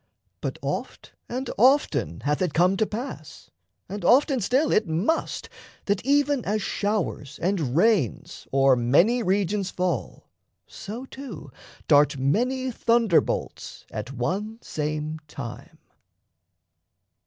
But oft and often hath it come to pass, And often still it must, that, even as showers And rains o'er many regions fall, so too Dart many thunderbolts at one same time.